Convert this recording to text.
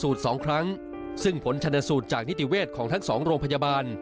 สองครั้งซึ่งผลชนสูตรจากนิติเวศของทั้งสองโรงพยาบาล